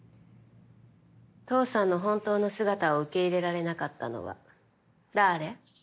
父さんの本当の姿を受け入れられなかったのは誰？